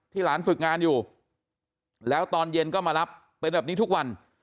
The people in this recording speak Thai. หลานฝึกงานอยู่แล้วตอนเย็นก็มารับเป็นแบบนี้ทุกวัน